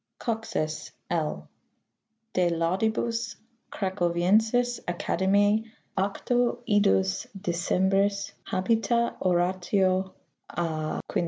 Coxus, L. De laudibus Cracoviensis Academias 8 Idus Decembris habita oratio a 1518.